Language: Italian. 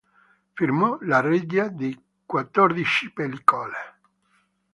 Firmò la regia di quattordici pellicole.